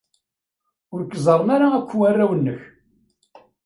Ur k-ẓerren ara akk warraw-nnek.